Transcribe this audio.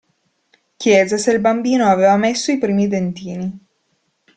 Chiese se il bambino aveva messo i primi dentini.